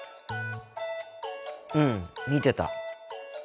うん見てた。